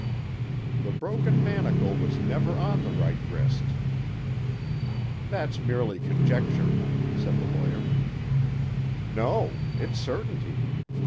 "The broken manacle was never on the right wrist." "That's merely conjecture," said the lawyer. "No; it's certainty.